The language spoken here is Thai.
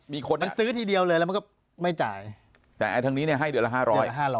มันซื้อทีเดียวเลยแล้วมันก็ไม่จ่ายแต่ทั้งนี้ให้เดือนละ๕๐๐